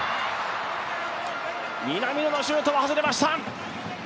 南野のシュートは外れました。